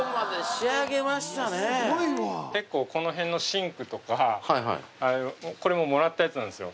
結構この辺のシンクとかこれももらったやつなんですよ。